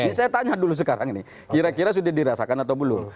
ini saya tanya dulu sekarang ini kira kira sudah dirasakan atau belum